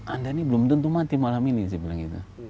anda ini belum tentu mati malam ini saya bilang gitu